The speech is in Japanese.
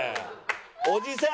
おじさん！